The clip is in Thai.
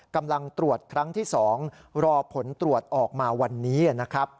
กำลังตรวจครั้งที่๒รอผลตรวจออกมาวันนี้นะครับ